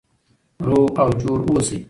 روغ او جوړ اوسئ.